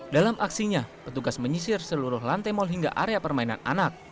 dalam aksinya petugas menyisir seluruh lantai mal hingga area permainan anak